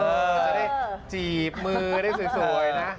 จะได้จีบมือได้สวยนะ